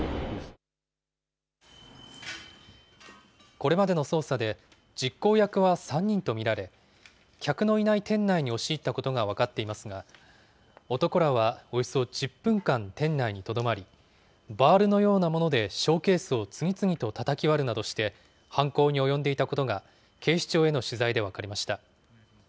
これまでの捜査で、実行役は３人と見られ、客のいない店内に押し入ったことが分かっていますが、男らはおよそ１０分間店内にとどまり、バールのようなものでショーケースを次々とたたき割るなどして、犯行に及んでいたことが警視庁への取材で分かりました。